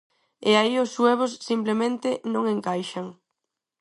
E aí os suevos, simplemente, non encaixan.